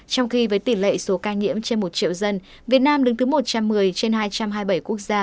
trong khi với tỷ lệ số ca nhiễm trên một triệu dân việt nam đứng thứ một trăm một mươi trên hai trăm hai mươi bảy quốc gia